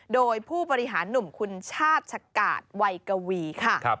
โดยผู้บริหารหนุ่มคุณชาติชะกาดวัยกวีค่ะ